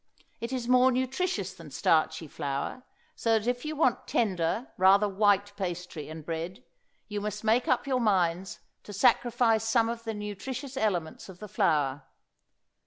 It is more nutritious than starchy flour, so that if you want tender, rather white pastry and bread, you must make up your minds to sacrifice some of the nutritious elements of the flour.